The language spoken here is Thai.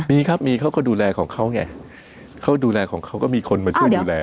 มีครับมีเขาก็ดูแลของเขาไงเขาดูแลของเขาก็มีคนมาช่วยดูแล